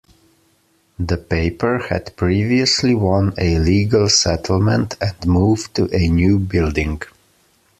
The paper had previously won a legal settlement and moved to a new building.